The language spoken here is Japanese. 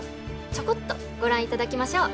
ちょこっとご覧いただきましょう。